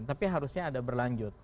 tapi harusnya ada berlanjut